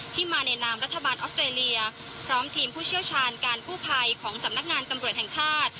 มาในนามรัฐบาลออสเตรเลียพร้อมทีมผู้เชี่ยวชาญการกู้ภัยของสำนักงานตำรวจแห่งชาติ